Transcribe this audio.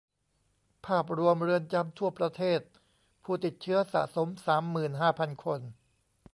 ภาพรวมเรือนจำทั่วประเทศ ผู้ติดเชื้อสะสมสามหมื่นห้าพันคน